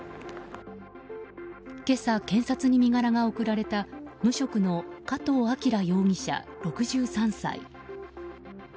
今朝、検察に身柄が送られた無職の加藤晃容疑者、６３歳。